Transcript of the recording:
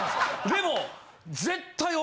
でも。